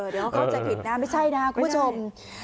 เดี๋ยวเขาจะผิดนะไม่ใช่นะคุณผู้ชม